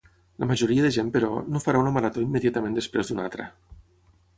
La majoria de gent però, no farà una marató immediatament després d’una altra.